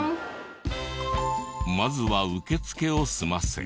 まずは受付を済ませ。